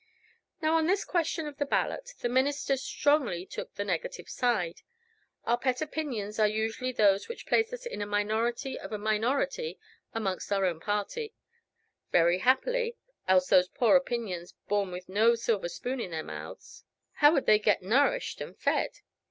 Now on this question of the ballot the minister strongly took the negative side. Our pet opinions are usually those which place us in a minority of a minority amongst our own party: very happily, else those poor opinions, born with no silver spoon in their mouths how would they get nourished and fed?